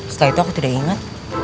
setelah itu aku tidak ingat